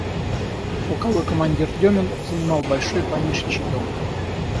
Полковой командир Демин занимал большой помещичий дом.